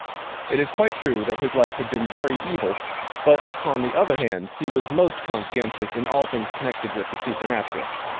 It is quite true that his life had been very evil, but, upon the other hand, he was most conscientious in all things connected with the supernatural.